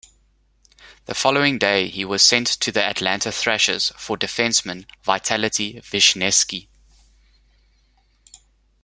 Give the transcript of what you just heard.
The following day, he was sent to the Atlanta Thrashers for defenceman Vitaly Vishnevski.